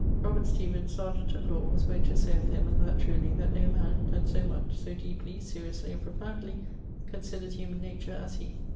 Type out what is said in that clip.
Robert Stevens, serjeant at Lawe, was wont to say of him, and that truly, that 'no man had so much, so deeply, seriously, and profoundly considered humane nature as he.'